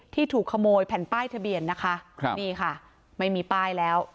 ที่ถูกขโมยแผ่นป้ายทะเบียนนะคะครับนี่ค่ะไม่มีป้ายแล้ว